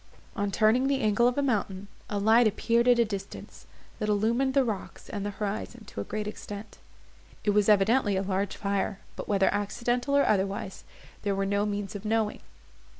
On turning the angle of a mountain, a light appeared at a distance, that illumined the rocks, and the horizon to a great extent. It was evidently a large fire, but whether accidental, or otherwise, there were no means of knowing.